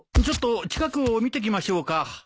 ちょっと近くを見てきましょうか。